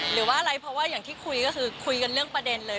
หรือว่าอะไรเพราะว่าอย่างที่คุยก็คือคุยกันเรื่องประเด็นเลย